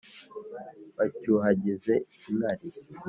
bacyuhagize inkari